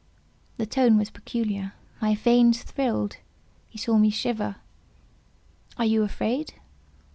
The tone was peculiar; my veins thrilled; he saw me shiver. "Are you afraid?